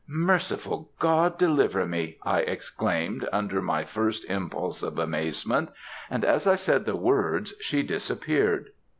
"'Merciful God deliver me!' I exclaimed under my first impulse of amazement; and as I said the words she disappeared."